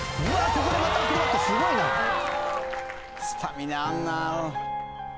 ここでまたアクロバットスゴいなスタミナあんな